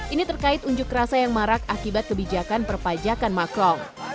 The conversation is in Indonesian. ini terkait unjuk rasa yang marak akibat kebijakan perpajakan macron